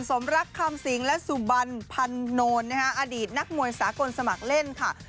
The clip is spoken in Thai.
สมรักคำสิงและสุบันพันโนนนะฮะอดีตนักมวยสากลสมัครเล่นค่ะ